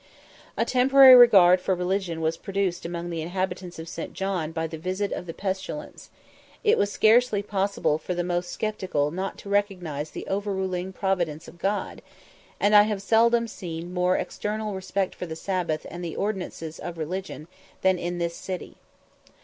A temporary regard for religion was produced among the inhabitants of St. John by the visit of the pestilence; it was scarcely possible for the most sceptical not to recognise the overruling providence of God: and I have seldom seen more external respect for the Sabbath and the ordinances of religion than in this city.